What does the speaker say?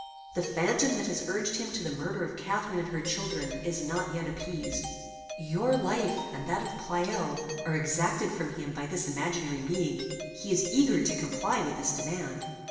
"The phantom that has urged him to the murder of Catharine and her children is not yet appeased. Your life, and that of Pleyel, are exacted from him by this imaginary being. He is eager to comply with this demand.